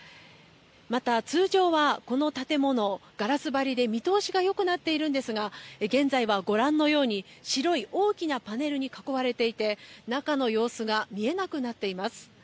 また、通常はこの建物ガラス張りで見通しがよくなっているんですが現在は、ご覧のように白い大きなパネルに囲われていて中の様子が見えなくなっています。